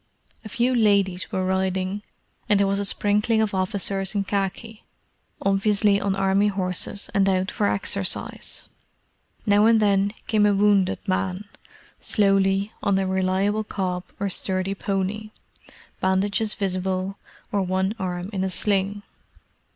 A few ladies were riding, and there was a sprinkling of officers in khaki; obviously on Army horses and out for exercise. Now and then came a wounded man, slowly, on a reliable cob or sturdy pony—bandages visible, or one arm in a sling.